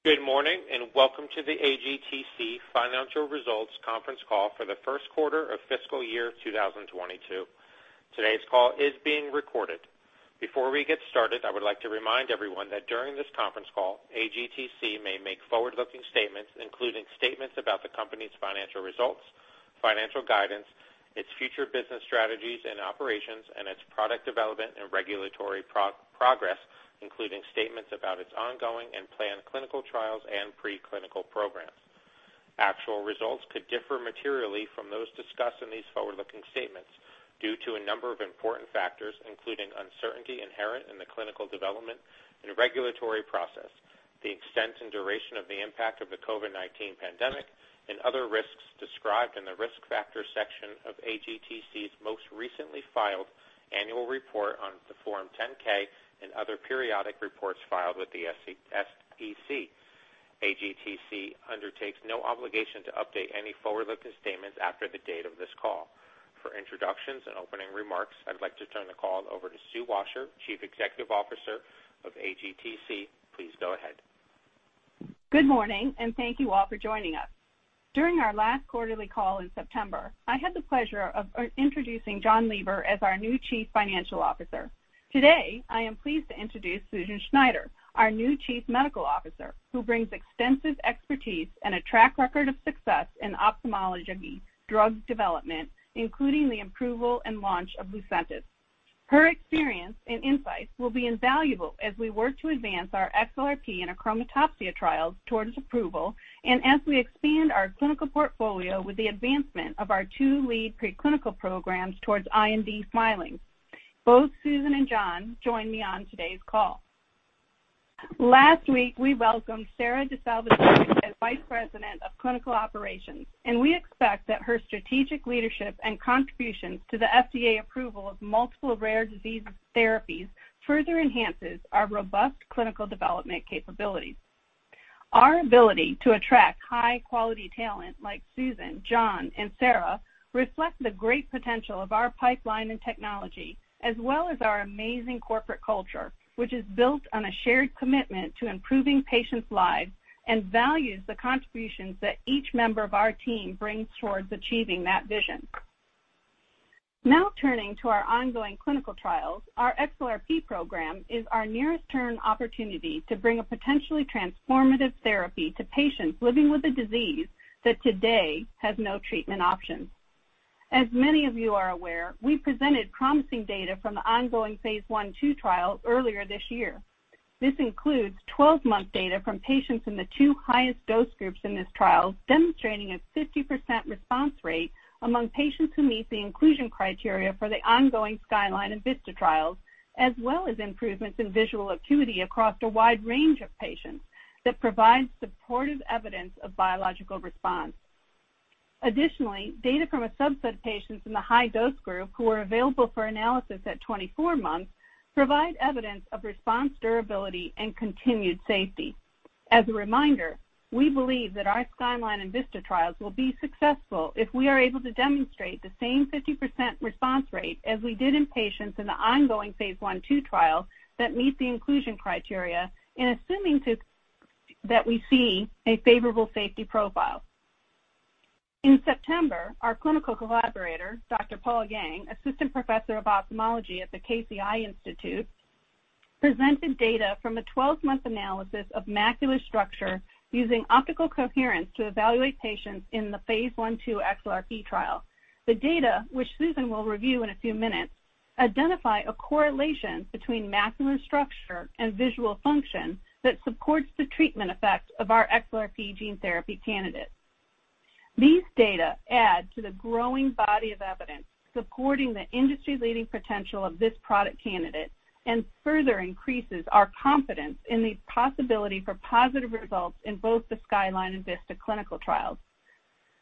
Good morning, and welcome to the AGTC Financial Results Conference Call for the first quarter of fiscal year 2022. Today's call is being recorded. Before we get started, I would like to remind everyone that during this conference call, AGTC may make forward-looking statements, including statements about the company's financial results, financial guidance, its future business strategies and operations, and its product development and regulatory progress, including statements about its ongoing and planned clinical trials and preclinical programs. Actual results could differ materially from those discussed in these forward-looking statements due to a number of important factors, including uncertainty inherent in the clinical development and regulatory process, the extent and duration of the impact of the COVID-19 pandemic, and other risks described in the Risk Factors section of AGTC's most recently filed annual report on form 10-K and other periodic reports filed with the SEC. AGTC undertakes no obligation to update any forward-looking statements after the date of this call. For introductions and opening remarks, I'd like to turn the call over to Sue Washer, Chief Executive Officer of AGTC. Please go ahead. Good morning, and thank you all for joining us. During our last quarterly call in September, I had the pleasure of introducing Jonathan Lieber as our new Chief Financial Officer. Today, I am pleased to introduce Susan Schneider, our new Chief Medical Officer, who brings extensive expertise and a track record of success in ophthalmology drug development, including the approval and launch of Lucentis. Her experience and insights will be invaluable as we work to advance our XLRP and achromatopsia trials towards approval and as we expand our clinical portfolio with the advancement of our two lead preclinical programs towards IND filings. Both Susan and John join me on today's call. Last week, we welcomed Sarah DeSalvo as Vice President of Clinical Operations, and we expect that her strategic leadership and contributions to the FDA approval of multiple rare disease therapies further enhances our robust clinical development capabilities. Our ability to attract high-quality talent like Susan, John, and Sarah reflect the great potential of our pipeline and technology as well as our amazing corporate culture, which is built on a shared commitment to improving patients' lives and values the contributions that each member of our team brings towards achieving that vision. Now turning to our ongoing clinical trials, our XLRP program is our nearest-term opportunity to bring a potentially transformative therapy to patients living with a disease that today has no treatment options. As many of you are aware, we presented promising data from the ongoing phase I/II trial earlier this year. This includes 12-month data from patients in the two highest dose groups in this trial, demonstrating a 50% response rate among patients who meet the inclusion criteria for the ongoing SKYLINE and VISTA trials, as well as improvements in visual acuity across a wide range of patients that provides supportive evidence of biological response. Additionally, data from a subset of patients in the high dose group who are available for analysis at 24 months provide evidence of response durability and continued safety. As a reminder, we believe that our SKYLINE and VISTA trials will be successful if we are able to demonstrate the same 50% response rate as we did in patients in the ongoing phase I/II trial that meet the inclusion criteria and assuming that we see a favorable safety profile. In September, our clinical collaborator, Dr. Paul Yang, Assistant Professor of Ophthalmology at the Casey Eye Institute, presented data from a 12-month analysis of macular structure using optical coherence to evaluate patients in the phase I/II XLRP trial. The data, which Susan will review in a few minutes, identify a correlation between macular structure and visual function that supports the treatment effect of our XLRP gene therapy candidate. These data add to the growing body of evidence supporting the industry-leading potential of this product candidate and further increases our confidence in the possibility for positive results in both the SKYLINE and VISTA clinical trials.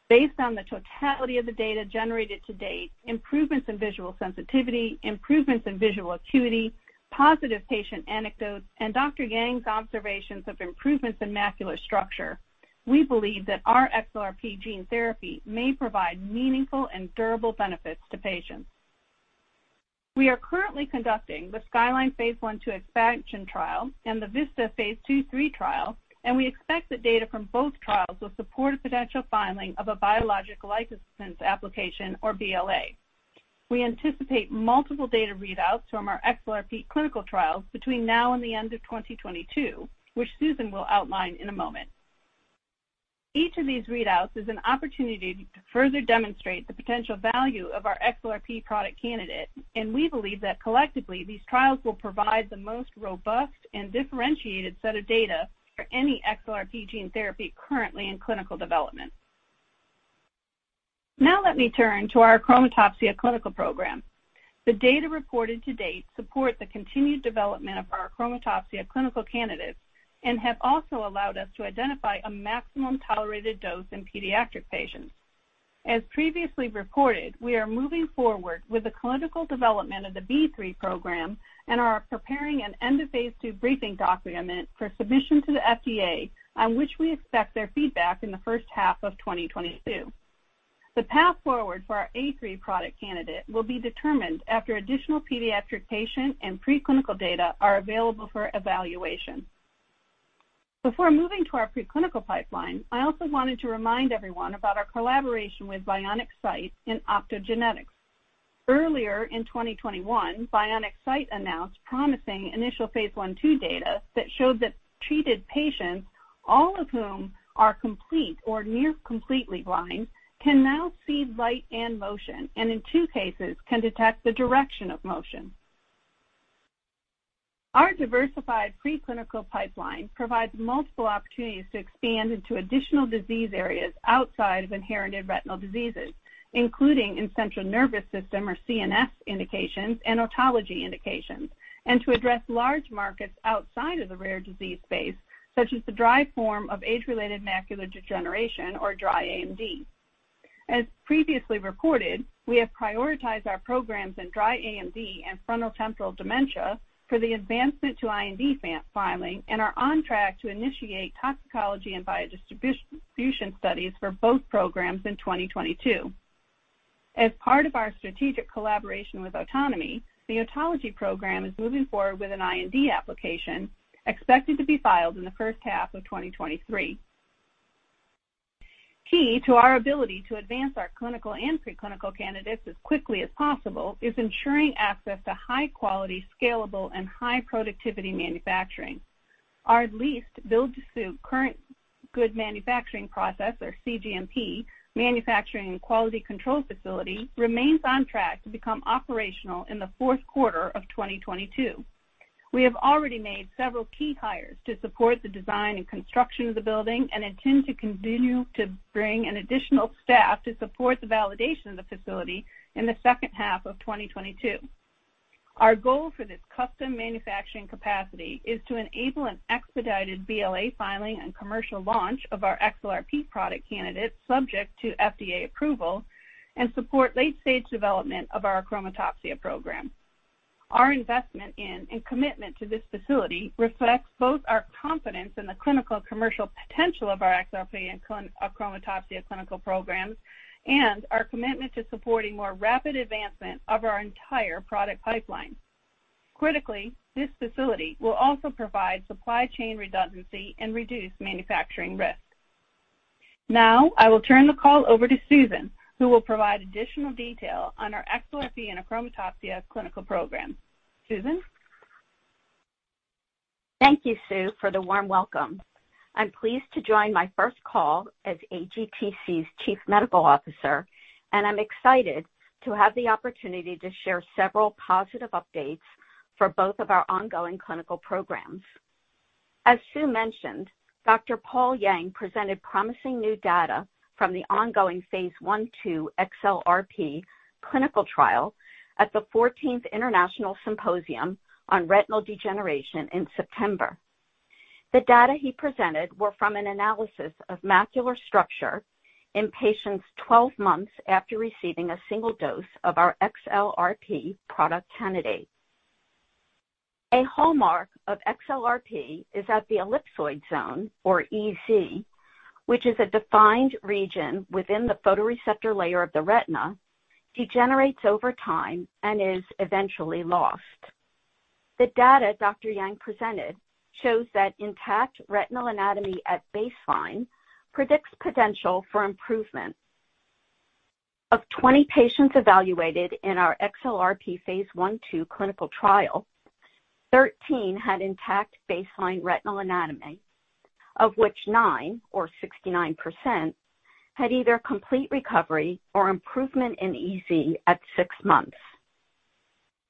Based on the totality of the data generated to date, improvements in visual sensitivity, improvements in visual acuity, positive patient anecdotes, and Dr. Yang's observations of improvements in macular structure, we believe that our XLRP gene therapy may provide meaningful and durable benefits to patients. We are currently conducting the SKYLINE phase I/II expansion trial and the VISTA phase II/III trial, and we expect the data from both trials will support a potential filing of a biological license application, or BLA. We anticipate multiple data readouts from our XLRP clinical trials between now and the end of 2022, which Susan will outline in a moment. Each of these readouts is an opportunity to further demonstrate the potential value of our XLRP product candidate, and we believe that collectively, these trials will provide the most robust and differentiated set of data for any XLRP gene therapy currently in clinical development. Now let me turn to our achromatopsia clinical program. The data reported to date support the continued development of our achromatopsia clinical candidates and have also allowed us to identify a maximum tolerated dose in pediatric patients. As previously reported, we are moving forward with the clinical development of the B3 program and are preparing an end-of-phase II briefing document for submission to the FDA, on which we expect their feedback in the first half of 2022. The path forward for our A3 product candidate will be determined after additional pediatric patient and preclinical data are available for evaluation. Before moving to our preclinical pipeline, I also wanted to remind everyone about our collaboration with Bionic Sight in optogenetics. Earlier in 2021, Bionic Sight announced promising initial phase I/II data that showed that treated patients, all of whom are nearly completely blind, can now see light and motion, and in two cases can detect the direction of motion. Our diversified preclinical pipeline provides multiple opportunities to expand into additional disease areas outside of inherited retinal diseases, including in central nervous system or CNS indications and otology indications, and to address large markets outside of the rare disease space, such as the dry form of age-related macular degeneration, or dry AMD. As previously reported, we have prioritized our programs in dry AMD and frontotemporal dementia for the advancement to IND filing and are on track to initiate toxicology and bio-distribution studies for both programs in 2022. As part of our strategic collaboration with Otonomy, the otology program is moving forward with an IND application expected to be filed in the first half of 2023. Key to our ability to advance our clinical and pre-clinical candidates as quickly as possible is ensuring access to high quality, scalable and high productivity manufacturing. Our leased build-to-suit current good manufacturing practice or CGMP manufacturing and quality control facility remains on track to become operational in the fourth quarter of 2022. We have already made several key hires to support the design and construction of the building and intend to continue to bring on additional staff to support the validation of the facility in the second half of 2022. Our goal for this custom manufacturing capacity is to enable an expedited BLA filing and commercial launch of our XLRP product candidate subject to FDA approval and support late-stage development of our achromatopsia program. Our investment in and commitment to this facility reflects both our confidence in the clinical and commercial potential of our XLRP and achromatopsia clinical programs, and our commitment to supporting more rapid advancement of our entire product pipeline. Critically, this facility will also provide supply chain redundancy and reduce manufacturing risk. Now I will turn the call over to Susan, who will provide additional detail on our XLRP and achromatopsia clinical program. Susan? Thank you, Sue, for the warm welcome. I'm pleased to join my first call as AGTC's Chief Medical Officer, and I'm excited to have the opportunity to share several positive updates for both of our ongoing clinical programs. As Sue mentioned, Dr. Paul Yang presented promising new data from the ongoing phase I/II XLRP clinical trial at the fourteenth International Symposium on Retinal Degeneration in September. The data he presented were from an analysis of macular structure in patients 12 months after receiving a single dose of our XLRP product candidate. A hallmark of XLRP is that the ellipsoid zone, or EZ, which is a defined region within the photoreceptor layer of the retina, degenerates over time and is eventually lost. The data Dr. Yang presented shows that intact retinal anatomy at baseline predicts potential for improvement. Of 20 patients evaluated in our XLRP phase I/II clinical trial, 13 had intact baseline retinal anatomy, of which nine, or 69%, had either complete recovery or improvement in EZ at six months.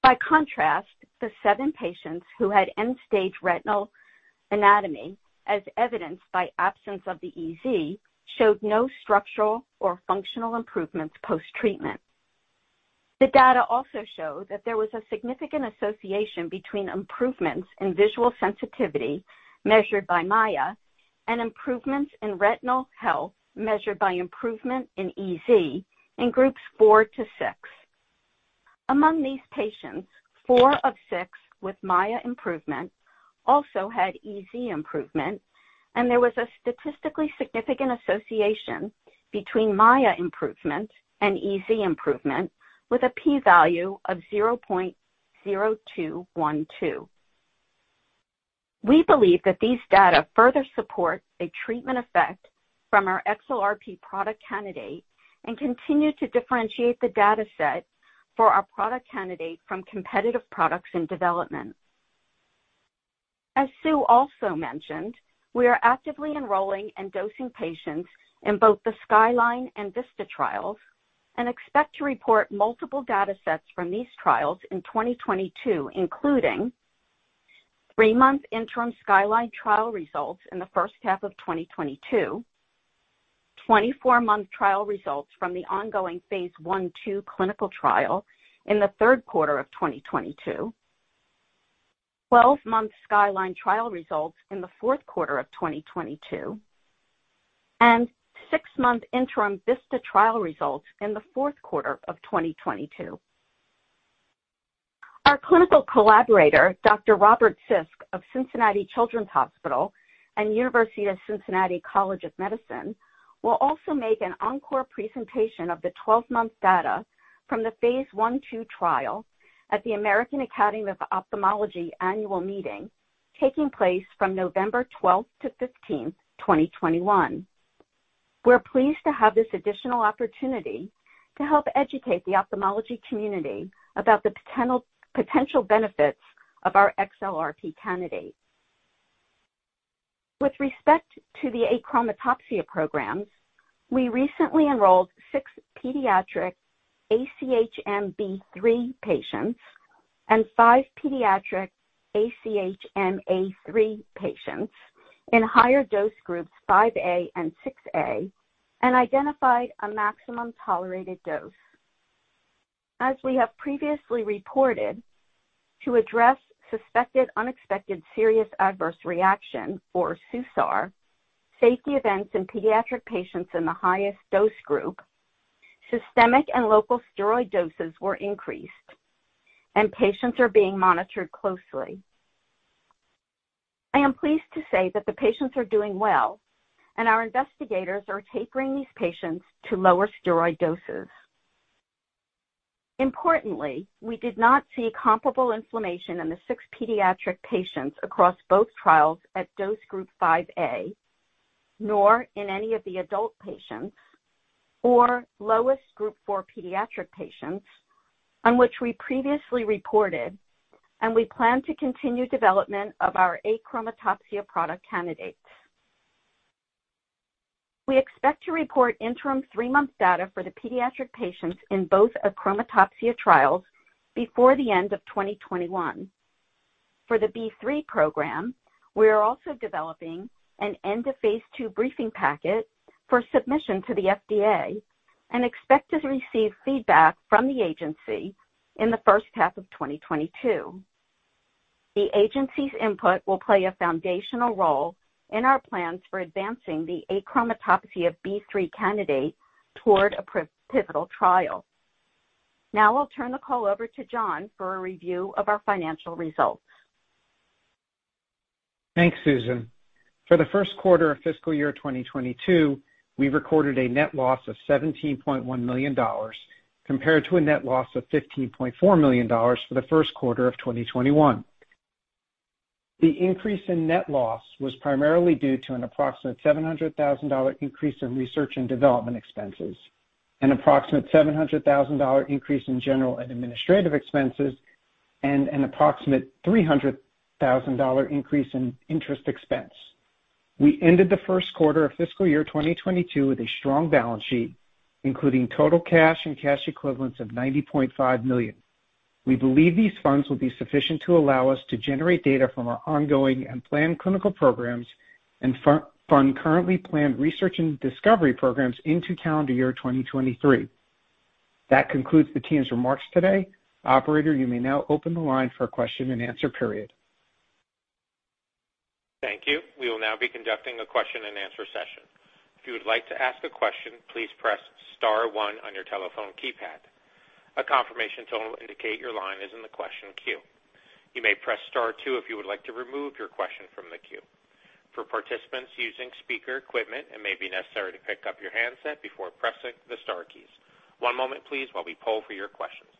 By contrast, the seven patients who had end-stage retinal anatomy, as evidenced by absence of the EZ, showed no structural or functional improvements post-treatment. The data also showed that there was a significant association between improvements in visual sensitivity measured by MAIA and improvements in retinal health measured by improvement in EZ in groups four to six. Among these patients, four of six with MAIA improvement also had EZ improvement, and there was a statistically significant association between MAIA improvement and EZ improvement with a P value of 0.0212. We believe that these data further support a treatment effect from our XLRP product candidate and continue to differentiate the data set for our product candidate from competitive products in development. As Sue also mentioned, we are actively enrolling and dosing patients in both the SKYLINE and VISTA trials and expect to report multiple data sets from these trials in 2022, including three-month interim SKYLINE trial results in the first half of 2022. 24-month trial results from the ongoing phase I/II clinical trial in the third quarter of 2022. 12-month SKYLINE trial results in the fourth quarter of 2022, and six-month interim VISTA trial results in the fourth quarter of 2022. Our clinical collaborator, Dr. Robert Sisk of Cincinnati Children's Hospital and University of Cincinnati College of Medicine will also make an encore presentation of the 12-month data from the phase I/II trial at the American Academy of Ophthalmology annual meeting taking place from November 12-15, 2021. We're pleased to have this additional opportunity to help educate the ophthalmology community about the potential benefits of our XLRP candidate. With respect to the achromatopsia programs, we recently enrolled six pediatric ACHM B3 patients and five pediatric ACHM A3 patients in higher dose groups 5A and 6A and identified a maximum tolerated dose. As we have previously reported, to address suspected unexpected serious adverse reaction or SUSAR, safety events in pediatric patients in the highest dose group, systemic and local steroid doses were increased, and patients are being monitored closely. I am pleased to say that the patients are doing well, and our investigators are tapering these patients to lower steroid doses. Importantly, we did not see comparable inflammation in the six pediatric patients across both trials at dose group 5A, nor in any of the adult patients or lowest group four pediatric patients on which we previously reported, and we plan to continue development of our achromatopsia product candidates. We expect to report interim three-month data for the pediatric patients in both achromatopsia trials before the end of 2021. For the B3 program, we are also developing an end-of-phase II briefing packet for submission to the FDA and expect to receive feedback from the agency in the first half of 2022. The agency's input will play a foundational role in our plans for advancing the achromatopsia B3 candidate toward a pre-pivotal trial. Now, I'll turn the call over to Jonathan Lieber for a review of our financial results. Thanks, Susan. For the first quarter of fiscal year 2022, we recorded a net loss of $17.1 million compared to a net loss of $15.4 million for the first quarter of 2021. The increase in net loss was primarily due to an approximate $700,000 increase in research and development expenses, an approximate $700,000 increase in general and administrative expenses, and an approximate $300,000 increase in interest expense. We ended the first quarter of fiscal year 2022 with a strong balance sheet, including total cash and cash equivalents of $90.5 million. We believe these funds will be sufficient to allow us to generate data from our ongoing and planned clinical programs and fund currently planned research and discovery programs into calendar year 2023. That concludes the team's remarks today. Operator, you may now open the line for a question-and-answer period. Thank you. We will now be conducting a question-and-answer session. If you would like to ask a question, please press star one on your telephone keypad. A confirmation tone will indicate your line is in the question queue. You may press star two if you would like to remove your question from the queue. For participants using speaker equipment, it may be necessary to pick up your handset before pressing the star keys. One moment please, while we poll for your questions.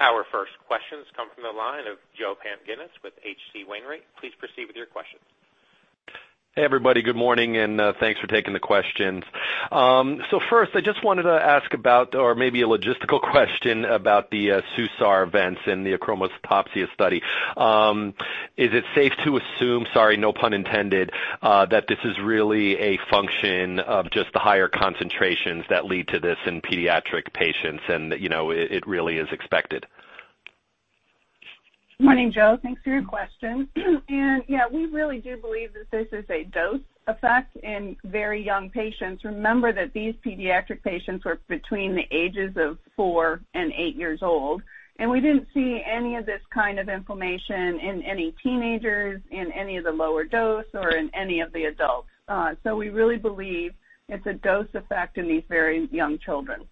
Our first questions come from the line of Joe Pantginis with H.C. Wainwright. Please proceed with your questions. Hey, everybody. Good morning, and thanks for taking the questions. So first, I just wanted to ask about or maybe a logistical question about the SUSAR events in the achromatopsia study. Is it safe to assume, sorry, no pun intended, that this is really a function of just the higher concentrations that lead to this in pediatric patients and that, you know, it really is expected? Morning, Joe. Thanks for your question. Yeah, we really do believe that this is a dose effect in very young patients. Remember that these pediatric patients were between the ages of four and eight years old, and we didn't see any of this kind of inflammation in any teenagers, in any of the lower dose or in any of the adults. We really believe it's a dose effect in these very young children.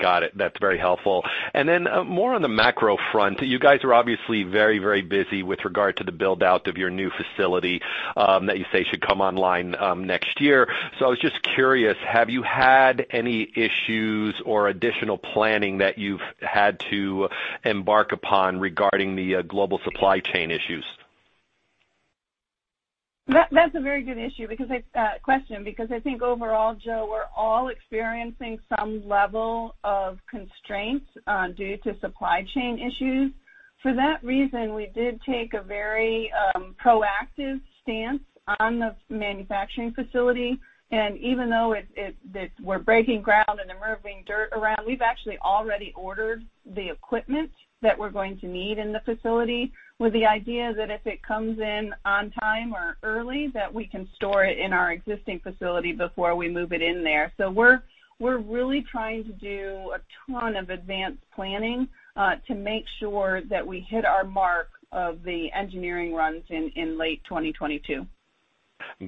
Got it. That's very helpful. More on the macro front. You guys are obviously very, very busy with regard to the build-out of your new facility that you say should come online next year. I was just curious, have you had any issues or additional planning that you've had to embark upon regarding the global supply chain issues? That's a very good question because I think overall, Joe, we're all experiencing some level of constraints due to supply chain issues. For that reason, we did take a very proactive stance on the manufacturing facility. Even though that we're breaking ground and moving dirt around, we've actually already ordered the equipment that we're going to need in the facility with the idea that if it comes in on time or early, that we can store it in our existing facility before we move it in there. We're really trying to do a ton of advanced planning to make sure that we hit our mark of the engineering runs in late 2022.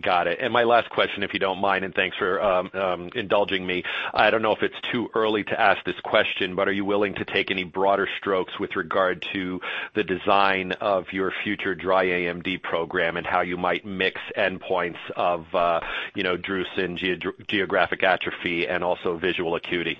Got it. My last question, if you don't mind, and thanks for indulging me. I don't know if it's too early to ask this question, but are you willing to take any broader strokes with regard to the design of your future dry AMD program and how you might mix endpoints of you know drusen, geographic atrophy and also visual acuity?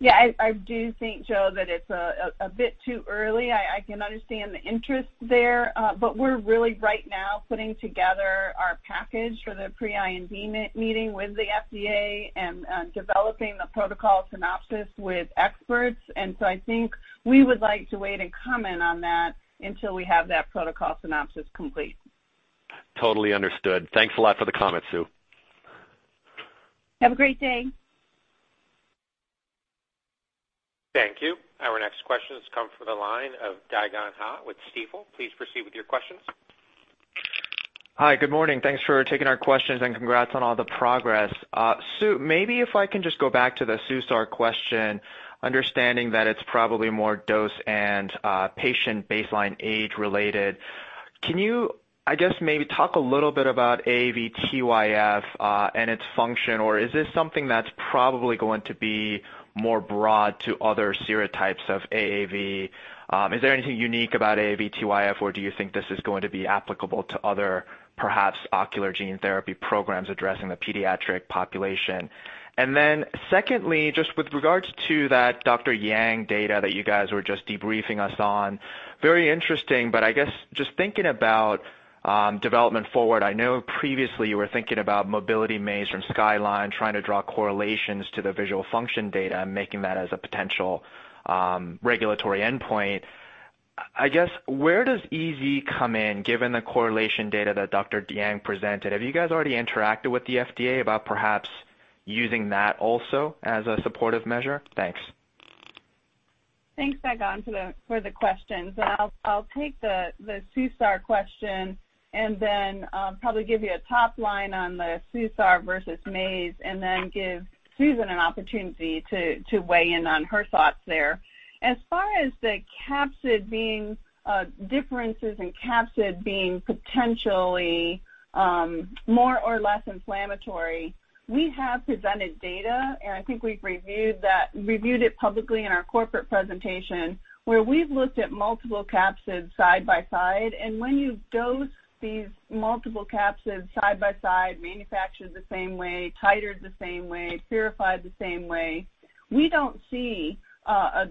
Yeah, I do think, Joe, that it's a bit too early. I can understand the interest there, but we're really right now putting together our package for the pre-IND meeting with the FDA and developing the protocol synopsis with experts. I think we would like to wait and comment on that until we have that protocol synopsis complete. Totally understood. Thanks a lot for the comment, Sue. Have a great day. Thank you. Our next question has come from the line of Dae Gon Ha with Stifel. Please proceed with your questions. Hi. Good morning. Thanks for taking our questions, and congrats on all the progress. Sue, maybe if I can just go back to the SUSAR question, understanding that it's probably more dose and patient baseline age-related. Can you, I guess, maybe talk a little bit about AAVTYF and its function? Or is this something that's probably going to be more broad to other serotypes of AAV? Is there anything unique about AAVTYF, or do you think this is going to be applicable to other perhaps ocular gene therapy programs addressing the pediatric population? And then secondly, just with regards to that Dr. Paul Yang data that you guys were just debriefing us on, very interesting, but I guess just thinking about development forward. I know previously you were thinking about mobility maze from SKYLINE, trying to draw correlations to the visual function data and making that as a potential regulatory endpoint. I guess, where does EZ come in given the correlation data that Dr. Yang presented? Have you guys already interacted with the FDA about perhaps using that also as a supportive measure? Thanks. Thanks, Dae Gon, for the questions. I'll take the SUSAR question and then probably give you a top line on the SUSAR versus SAE, and then give Susan an opportunity to weigh in on her thoughts there. As far as the capsid being differences in capsid being potentially more or less inflammatory, we have presented data, and I think we've reviewed that publicly in our corporate presentation, where we've looked at multiple capsids side by side. When you dose these multiple capsids side by side, manufactured the same way, titered the same way, purified the same way, we don't see a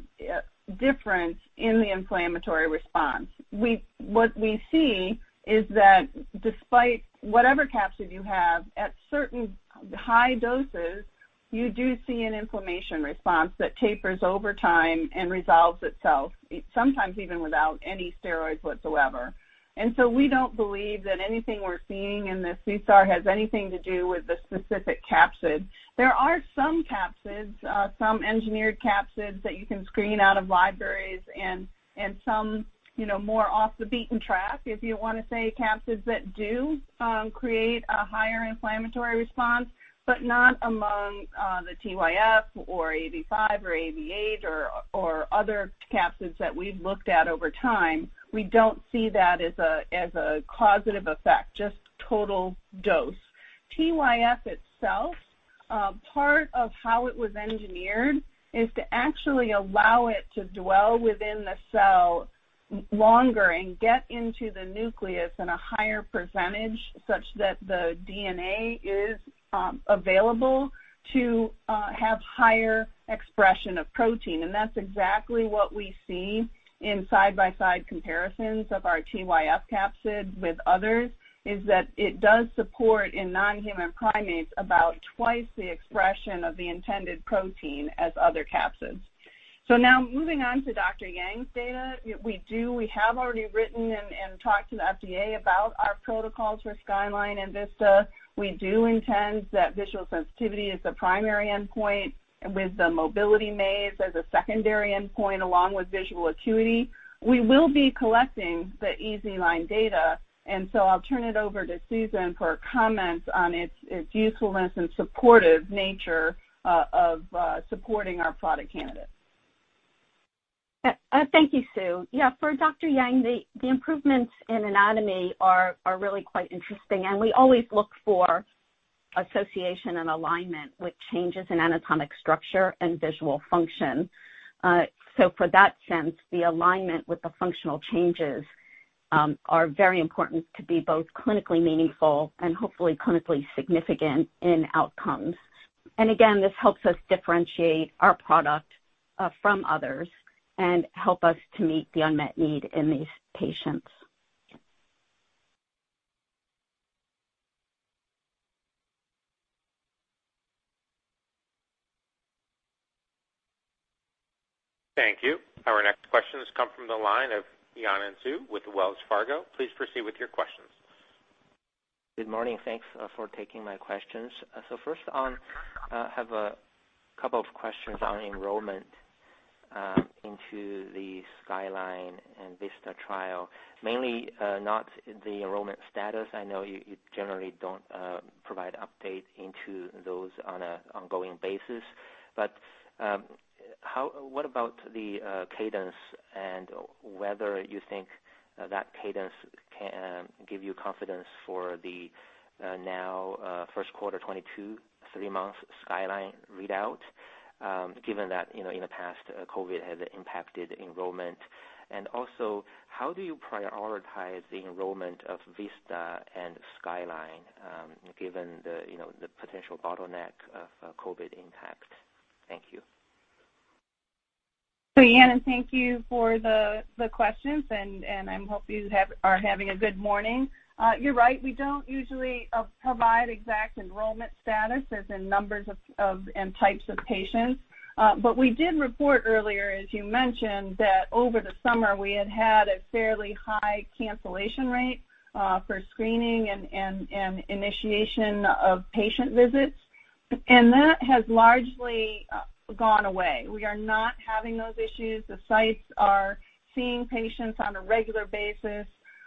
difference in the inflammatory response. What we see is that despite whatever capsid you have, at certain high doses, you do see an inflammation response that tapers over time and resolves itself, sometimes even without any steroids whatsoever. We don't believe that anything we're seeing in the SUSAR has anything to do with the specific capsid. There are some capsids, some engineered capsids that you can screen out of libraries and some, you know, more off the beaten track, if you wanna say, capsids that do create a higher inflammatory response, but not among the TYF or 85 or 88 or other capsids that we've looked at over time. We don't see that as a causative effect, just total dose. TYF itself, part of how it was engineered is to actually allow it to dwell within the cell much longer and get into the nucleus in a higher percentage such that the DNA is available to have higher expression of protein. That's exactly what we see in side-by-side comparisons of our TYF capsid with others, is that it does support in non-human primates about twice the expression of the intended protein as other capsids. Now moving on to Dr. Yang's data. We have already written and talked to the FDA about our protocols for SKYLINE and VISTA. We do intend that visual sensitivity is the primary endpoint with the mobility maze as a secondary endpoint along with visual acuity. We will be collecting the EZ line data, and so I'll turn it over to Susan for comments on its usefulness and supportive nature of supporting our product candidates. Thank you, Sue. Yeah, for Dr. Yang, the improvements in anatomy are really quite interesting, and we always look for association and alignment with changes in anatomic structure and visual function. So for that sense, the alignment with the functional changes are very important to be both clinically meaningful and hopefully clinically significant in outcomes. Again, this helps us differentiate our product from others and help us to meet the unmet need in these patients. Thank you. Our next question has come from the line of Yanan Zhu with Wells Fargo. Please proceed with your questions. Good morning. Thanks for taking my questions. First on, I have a couple of questions on enrollment into the SKYLINE and VISTA trial. Mainly, not the enrollment status. I know you- We generally don't provide update into those on an ongoing basis. What about the cadence and whether you think that cadence can give you confidence for the now first quarter 2022, three-month SKYLINE readout, given that, you know, in the past, COVID has impacted enrollment. Also, how do you prioritize the enrollment of VISTA and SKYLINE, given the, you know, the potential bottleneck of COVID impact? Thank you. Yanan, thank you for the questions, and I hope you are having a good morning. You're right. We don't usually provide exact enrollment status as in numbers of and types of patients. But we did report earlier, as you mentioned, that over the summer, we had had a fairly high cancellation rate for screening and initiation of patient visits. That has largely gone away. We are not having those issues. The sites are seeing patients on a regular basis.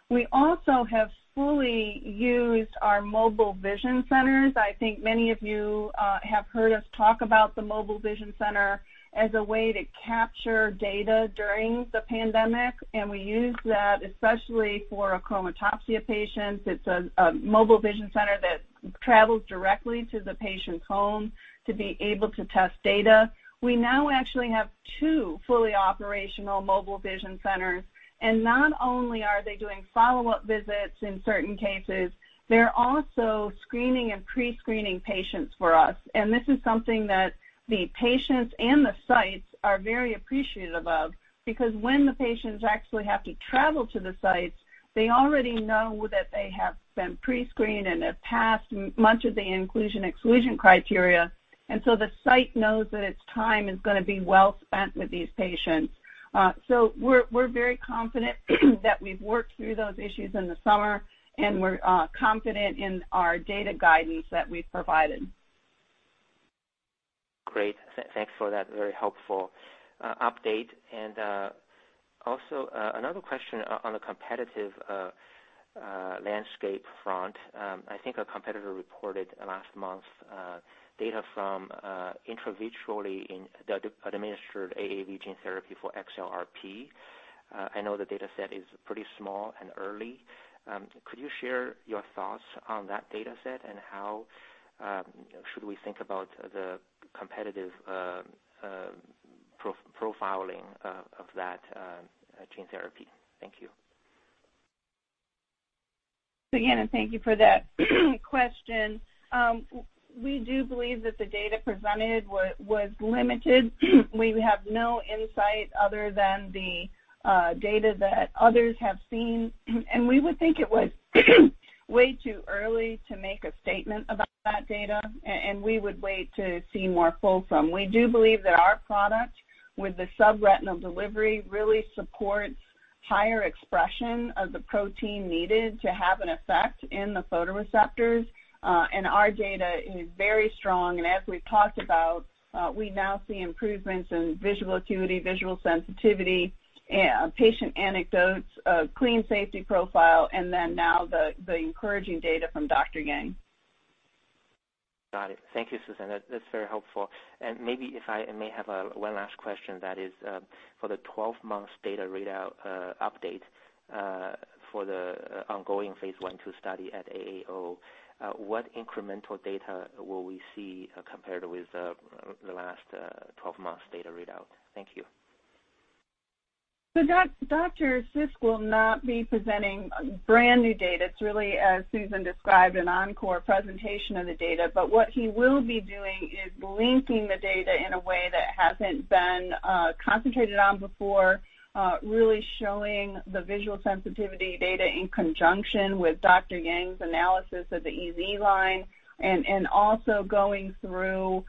We also have fully used our Mobile Vision Centers. I think many of you have heard us talk about the Mobile Vision Center as a way to capture data during the pandemic, and we use that especially for achromatopsia patients. It's a Mobile Vision Center that travels directly to the patient's home to be able to test data. We now actually have two fully operational Mobile Vision Centers, and not only are they doing follow-up visits in certain cases, they're also screening and pre-screening patients for us. This is something that the patients and the sites are very appreciative of, because when the patients actually have to travel to the sites, they already know that they have been pre-screened and have passed much of the inclusion/exclusion criteria. The site knows that it's time is gonna be well spent with these patients. We're very confident that we've worked through those issues in the summer, and we're confident in our data guidance that we've provided. Great. Thanks for that very helpful update. Also, another question on a competitive landscape front. I think a competitor reported last month data from intravitreally administered AAV gene therapy for XLRP. I know the data set is pretty small and early. Could you share your thoughts on that data set and how should we think about the competitive profiling of that gene therapy? Thank you. Yanan, thank you for that question. We do believe that the data presented was limited. We have no insight other than the data that others have seen, and we would think it was way too early to make a statement about that data, and we would wait to see more fulsome. We do believe that our product with the subretinal delivery really supports higher expression of the protein needed to have an effect in the photoreceptors. Our data is very strong, and as we've talked about, we now see improvements in visual acuity, visual sensitivity, patient anecdotes, a clean safety profile, and then now the encouraging data from Dr. Yang. Got it. Thank you, Susan. That, that's very helpful. Maybe if I may have one last question, that is, for the 12-month data readout update, for the ongoing phase I/II study at AAO, what incremental data will we see compared with the last 12-month data readout? Thank you. Dr. Sisk will not be presenting brand-new data. It's really, as Susan described, an encore presentation of the data. What he will be doing is linking the data in a way that hasn't been concentrated on before, really showing the visual sensitivity data in conjunction with Dr. Yang's analysis of the EZ line and also going through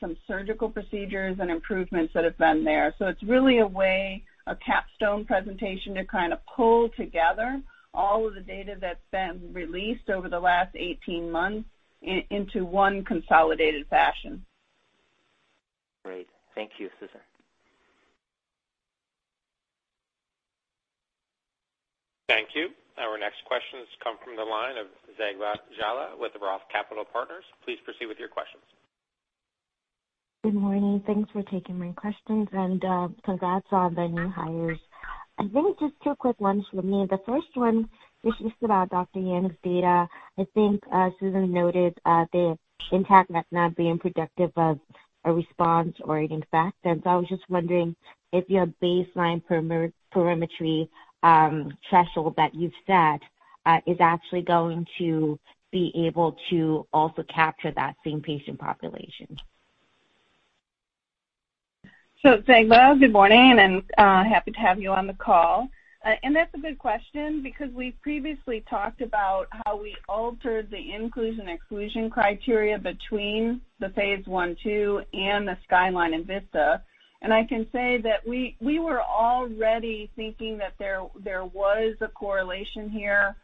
some surgical procedures and improvements that have been there. It's really a way, a capstone presentation to kind of pull together all of the data that's been released over the last 18 months into one consolidated fashion. Great. Thank you, Susan. Thank you. Our next questions come from the line of Zegbeh Jallah with Roth Capital Partners. Please proceed with your questions. Good morning. Thanks for taking my questions, and congrats on the new hires. I think just two quick ones from me. The first one is just about Dr. Yang's data. I think Susan noted the intact retina being productive of a response or an effect. I was just wondering if your baseline perimetry threshold that you've set is actually going to be able to also capture that same patient population. Zegbeh Jallah, good morning, and happy to have you on the call. That's a good question because we previously talked about how we altered the inclusion/exclusion criteria between the phase I/II and the SKYLINE and VISTA. I can say that we were already thinking that there was a correlation here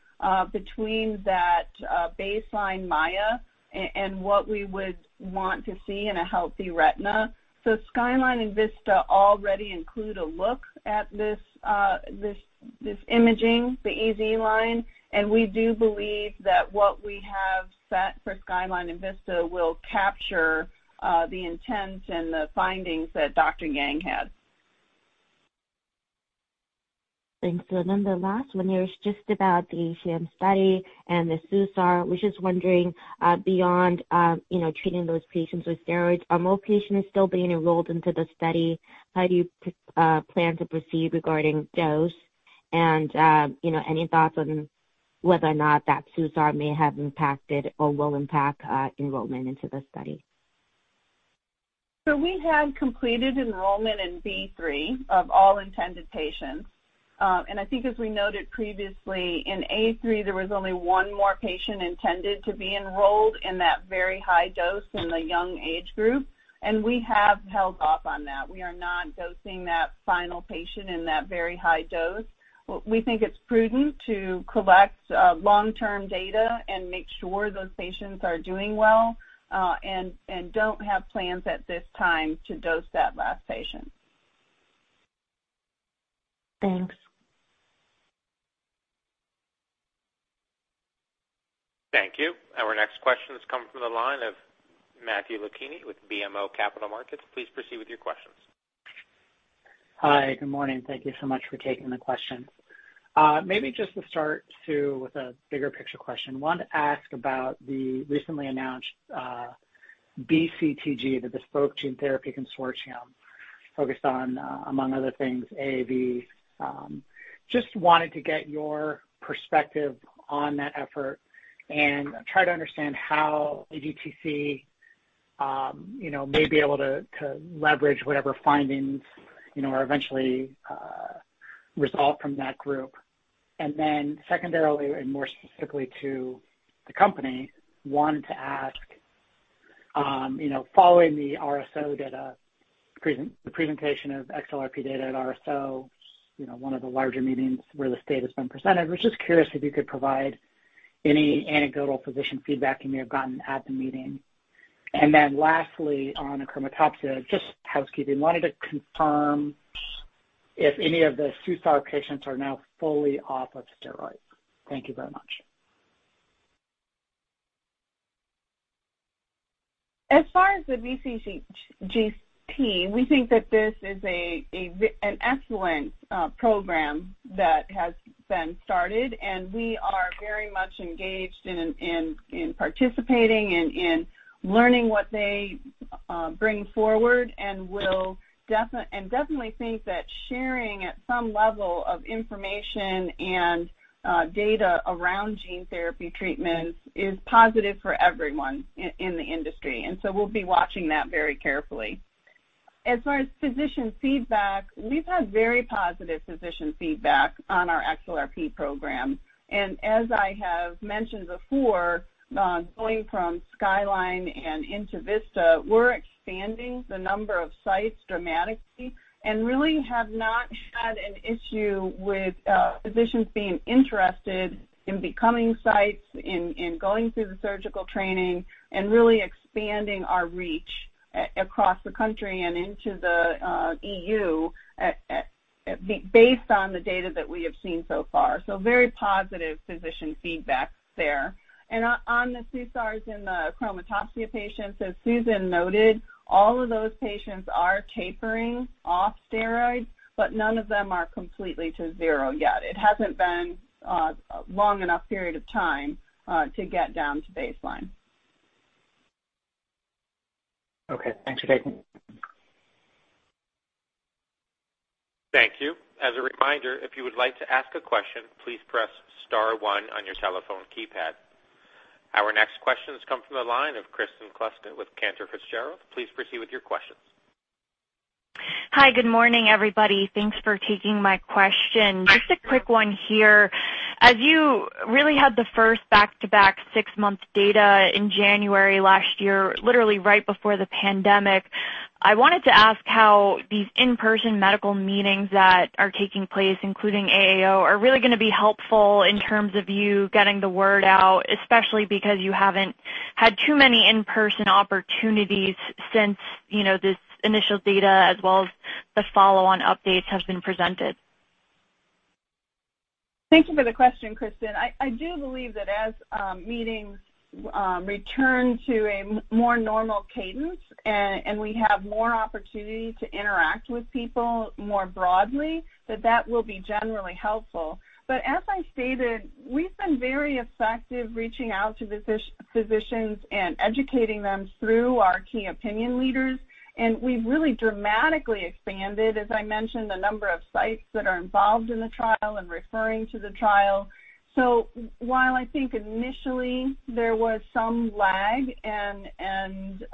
between that baseline MAIA and what we would want to see in a healthy retina. SKYLINE and VISTA already include a look at this imaging, the EZ line, and we do believe that what we have set for SKYLINE and VISTA will capture the intent and the findings that Dr. Yang had. Thanks. The last one here is just about the ACHM study and the SUSAR. Was just wondering, beyond, you know, treating those patients with steroids, are more patients still being enrolled into the study? How do you plan to proceed regarding dose? And, you know, any thoughts on whether or not that SUSAR may have impacted or will impact, enrollment into the study? We have completed enrollment in B3 of all intended patients. I think as we noted previously, in A3, there was only one more patient intended to be enrolled in that very high dose in the young age group, and we have held off on that. We are not dosing that final patient in that very high dose. We think it's prudent to collect long-term data and make sure those patients are doing well, and don't have plans at this time to dose that last patient. Thanks. Thank you. Our next question has come from the line of Matthew Luchini with BMO Capital Markets. Please proceed with your questions. Hi. Good morning. Thank you so much for taking the question. Maybe just to start, Sue, with a bigger picture question. Wanted to ask about the recently announced BGTC, the Bespoke Gene Therapy Consortium, focused on, among other things, AAV. Just wanted to get your perspective on that effort and try to understand how AGTC, you know, may be able to leverage whatever findings, you know, are eventually resolved from that group. Then secondarily and more specifically to the company, wanted to ask, you know, following the presentation of XLRP data at the Retina Society, you know, one of the larger meetings where this data's been presented, was just curious if you could provide any anecdotal physician feedback you may have gotten at the meeting. Lastly, on achromatopsia, just housekeeping, wanted to confirm if any of the SUSAR patients are now fully off of steroids. Thank you very much. As far as the BGTC, we think that this is an excellent program that has been started, and we are very much engaged in participating and learning what they bring forward. We definitely think that sharing at some level of information and data around gene therapy treatments is positive for everyone in the industry. We'll be watching that very carefully. As far as physician feedback, we've had very positive physician feedback on our XLRP program. As I have mentioned before, going from SKYLINE and into VISTA, we're expanding the number of sites dramatically, and really have not had an issue with physicians being interested in becoming sites, in going through the surgical training and really expanding our reach across the country and into the EU at, based on the data that we have seen so far. Very positive physician feedback there. On the SUSARs in the achromatopsia patients, as Susan noted, all of those patients are tapering off steroids, but none of them are completely to zero yet. It hasn't been a long enough period of time to get down to baseline. Okay. Thanks, Sue. Thank you. As a reminder, if you would like to ask a question, please press star one on your telephone keypad. Our next question has come from the line of Kristen Kluska with Cantor Fitzgerald. Please proceed with your questions. Hi. Good morning, everybody. Thanks for taking my question. Just a quick one here. As you really had the first back-to-back six-month data in January last year, literally right before the pandemic, I wanted to ask how these in-person medical meetings that are taking place, including AAO, are really gonna be helpful in terms of you getting the word out, especially because you haven't had too many in-person opportunities since, you know, this initial data as well as the follow-on updates have been presented? Thank you for the question, Kristen. I do believe that as meetings return to a more normal cadence and we have more opportunity to interact with people more broadly, that will be generally helpful. As I stated, we've been very effective reaching out to physicians and educating them through our key opinion leaders. We've really dramatically expanded, as I mentioned, the number of sites that are involved in the trial and referring to the trial. While I think initially there was some lag and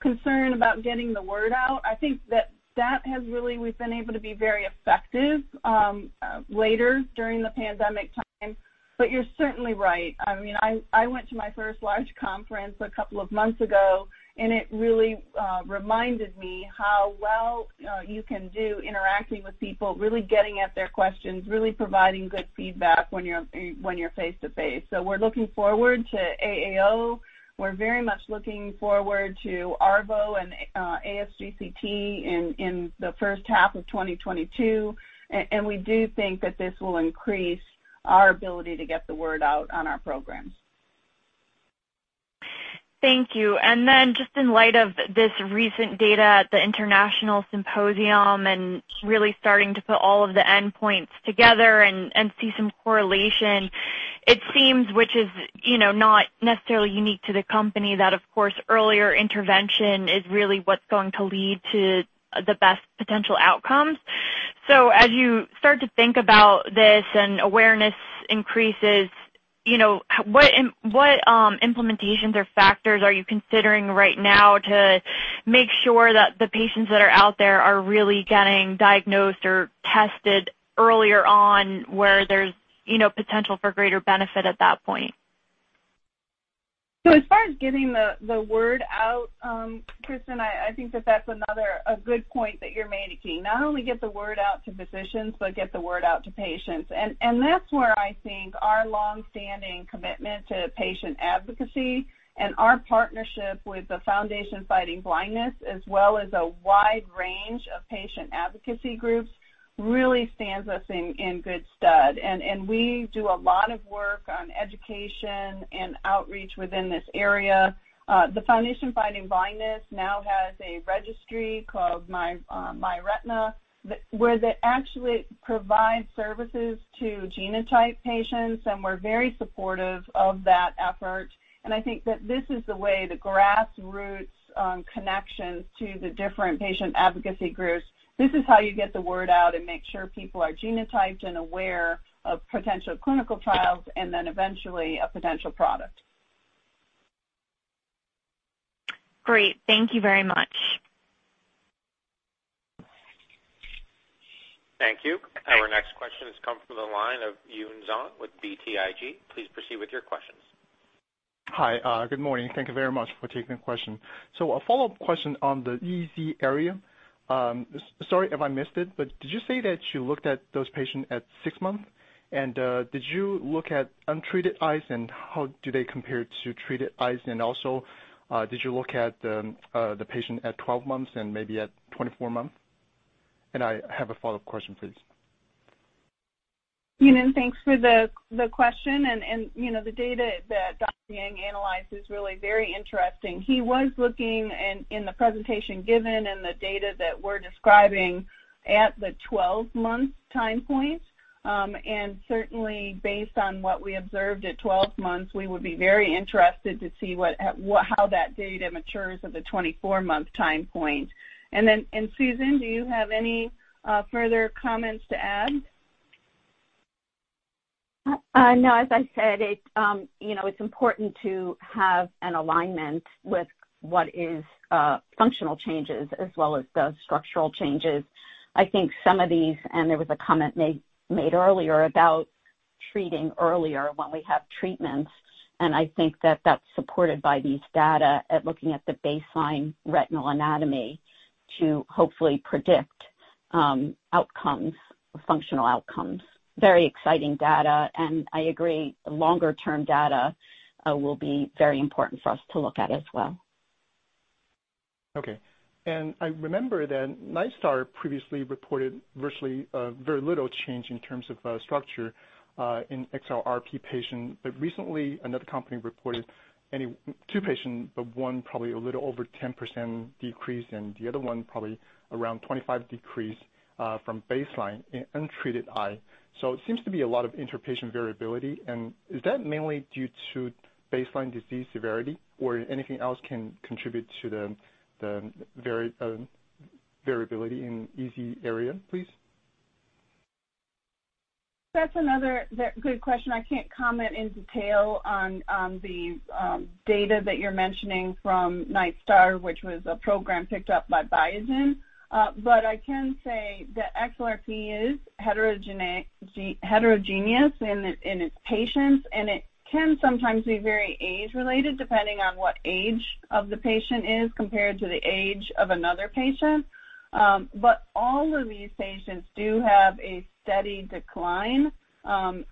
concern about getting the word out, I think that has really, we've been able to be very effective later during the pandemic time. You're certainly right. I mean, I went to my first large conference a couple of months ago, and it really reminded me how well you can do interacting with people, really getting at their questions, really providing good feedback when you're face to face. We're looking forward to AAO. We're very much looking forward to ARVO and ASGCT in the first half of 2022. We do think that this will increase our ability to get the word out on our programs. Thank you. Then just in light of this recent data at the international symposium and really starting to put all of the endpoints together and see some correlation, it seems which is, you know, not necessarily unique to the company that of course earlier intervention is really what's going to lead to the best potential outcomes. As you start to think about this and awareness increases, you know, what implementations or factors are you considering right now to make sure that the patients that are out there are really getting diagnosed or tested earlier on where there's, you know, potential for greater benefit at that point? As far as getting the word out, Kristen, I think that's another good point that you're making. Not only get the word out to physicians, but get the word out to patients. That's where I think our long-standing commitment to patient advocacy and our partnership with the Foundation Fighting Blindness, as well as a wide range of patient advocacy groups, really stands us in good stead. We do a lot of work on education and outreach within this area. The Foundation Fighting Blindness now has a registry called My Retina Tracker where they actually provide services to genotype patients, and we're very supportive of that effort. I think that this is the way the grassroots connections to the different patient advocacy groups. This is how you get the word out and make sure people are genotyped and aware of potential clinical trials, and then eventually a potential product. Great. Thank you very much. Thank you. Our next question has come from the line of Yun Zhong with BTIG. Please proceed with your questions. Hi. Good morning. Thank you very much for taking the question. A follow-up question on the EZ area. Sorry if I missed it, but did you say that you looked at those patients at six months? Did you look at untreated eyes, and how do they compare to treated eyes? Did you look at the patient at 12 months and maybe at 24 months? I have a follow-up question, please. Yun, thanks for the question. You know, the data that Dr. Yang analyzed is really very interesting. He was looking in the presentation given and the data that we're describing at the 12-month time point. Certainly based on what we observed at 12 months, we would be very interested to see how that data matures at the 24-month time point. Then, Susan, do you have any further comments to add? No. As I said, it's, you know, it's important to have an alignment with what is functional changes as well as the structural changes. I think some of these, and there was a comment made earlier about treating earlier when we have treatments, and I think that that's supported by these data at looking at the baseline retinal anatomy to hopefully predict outcomes or functional outcomes. Very exciting data. I agree, longer-term data will be very important for us to look at as well. Okay. I remember that Nightstar previously reported virtually very little change in terms of structure in XLRP patients. Recently, another company reported on two patients, but one probably a little over 10% decrease and the other one probably around 25% decrease from baseline in untreated eye. It seems to be a lot of inter-patient variability. Is that mainly due to baseline disease severity, or anything else can contribute to the variability in EZ area, please? That's a good question. I can't comment in detail on the data that you're mentioning from Nightstar, which was a program picked up by Biogen. I can say that XLRP is heterogeneous in its patients, and it can sometimes be very age-related, depending on what age of the patient is compared to the age of another patient. All of these patients do have a steady decline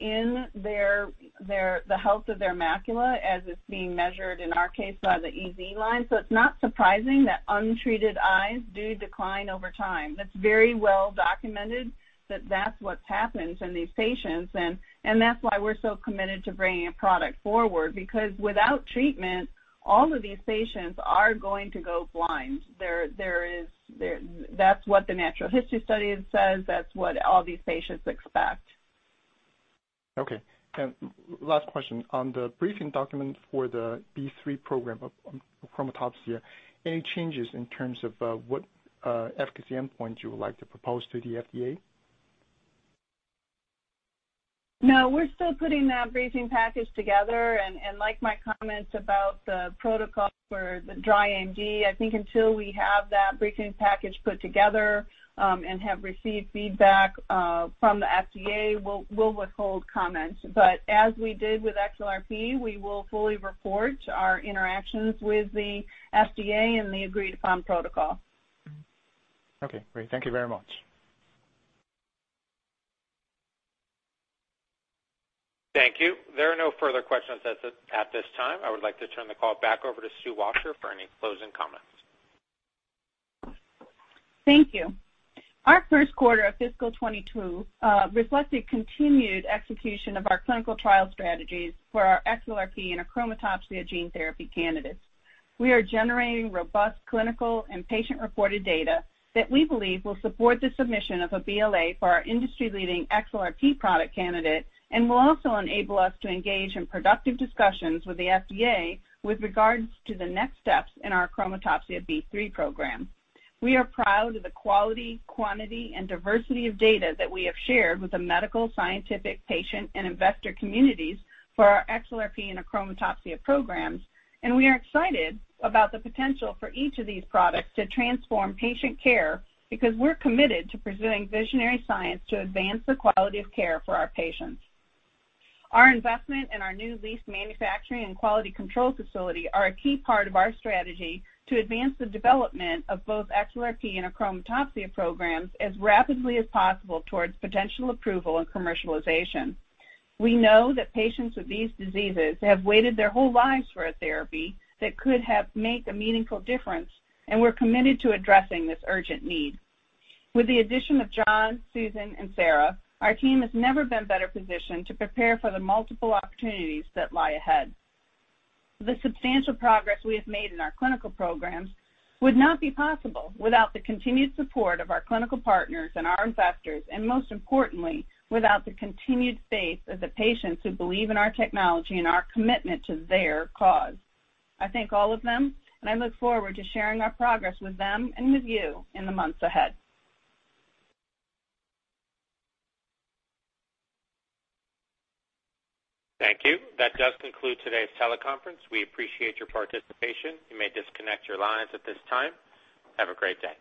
in the health of their macula as it's being measured, in our case, by the EZ line. It's not surprising that untreated eyes do decline over time. That's very well documented that that's what's happened in these patients, and that's why we're so committed to bringing a product forward, because without treatment, all of these patients are going to go blind. There is. That's what the natural history study says. That's what all these patients expect. Okay. Last question. On the briefing document for the B3 program of, for achromatopsia, any changes in terms of, what, efficacy endpoint you would like to propose to the FDA? No, we're still putting that briefing package together. Like my comments about the protocol for the dry AMD, I think until we have that briefing package put together, and have received feedback from the FDA, we'll withhold comments. As we did with XLRP, we will fully report our interactions with the FDA and the agreed-upon protocol. Okay, great. Thank you very much. Thank you. There are no further questions at this time. I would like to turn the call back over to Sue Washer for any closing comments. Thank you. Our first quarter of fiscal 2022 reflected continued execution of our clinical trial strategies for our XLRP and achromatopsia gene therapy candidates. We are generating robust clinical and patient reported data that we believe will support the submission of a BLA for our industry-leading XLRP product candidate and will also enable us to engage in productive discussions with the FDA with regards to the next steps in our achromatopsia B3 program. We are proud of the quality, quantity, and diversity of data that we have shared with the medical, scientific, patient, and investor communities for our XLRP and achromatopsia programs. We are excited about the potential for each of these products to transform patient care because we're committed to pursuing visionary science to advance the quality of care for our patients. Our investment in our new leased manufacturing and quality control facility are a key part of our strategy to advance the development of both XLRP and achromatopsia programs as rapidly as possible towards potential approval and commercialization. We know that patients with these diseases have waited their whole lives for a therapy that could have made a meaningful difference, and we're committed to addressing this urgent need. With the addition of John, Susan, and Sarah, our team has never been better positioned to prepare for the multiple opportunities that lie ahead. The substantial progress we have made in our clinical programs would not be possible without the continued support of our clinical partners and our investors, and most importantly, without the continued faith of the patients who believe in our technology and our commitment to their cause. I thank all of them, and I look forward to sharing our progress with them and with you in the months ahead. Thank you. That does conclude today's teleconference. We appreciate your participation. You may disconnect your lines at this time. Have a great day.